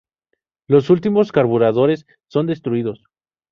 Los últimos carburadores son destruidos.